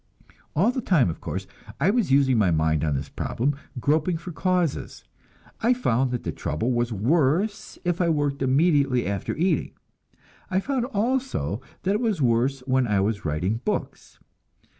All the time, of course, I was using my mind on this problem, groping for causes. I found that the trouble was worse if I worked immediately after eating. I found also that it was worse when I was writing books.